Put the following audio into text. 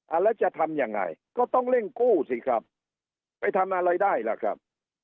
แล้วจะทำยังไงก็ต้องเร่งกู้สิครับไปทำอะไรได้ล่ะครับ